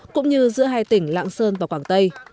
cũng như giữa hai tỉnh lạng sơn và quảng tây